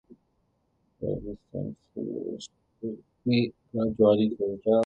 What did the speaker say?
The existing series will be gradually phased out.